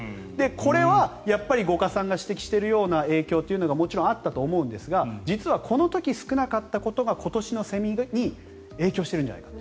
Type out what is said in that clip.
これはやっぱり五箇さんが指摘しているような影響というのがもちろんあったと思うんですが実はこの時少なかったことが今年のセミに影響しているんじゃないか。